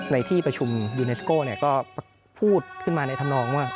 ในที่ประชุมยูเนสโก้ก็พูดขึ้นมาในธรรมนองว่า